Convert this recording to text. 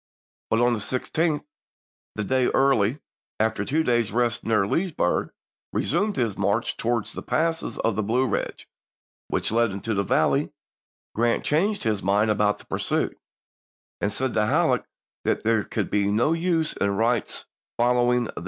But on the 16th, the day Early, after two days' rest near Leesburg, resumed his march towards the passes of the Blue Eidge which led into the valley, Grant changed his mind about the pursuit, and said to Halleck that there could be no use in Wright's following the ibid.